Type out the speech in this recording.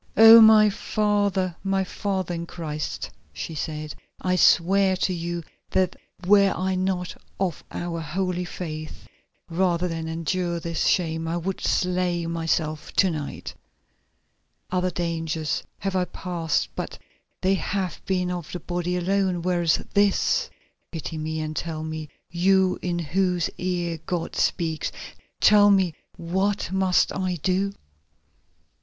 "Oh! my father, my father in Christ," she said, "I swear to you that were I not of our holy faith, rather than endure this shame I would slay myself to night! Other dangers have I passed, but they have been of the body alone, whereas this——. Pity me and tell me, you in whose ear God speaks, tell me, what must I do?"